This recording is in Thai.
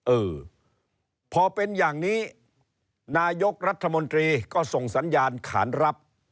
เออพอเป็นอย่างนี้นายกรัฐมนตรีก็ส่งสัญญาณขานรับ